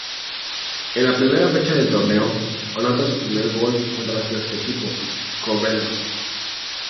En la primera fecha del torneo, anota su primer gol contra su ex-equipo, Cobreloa.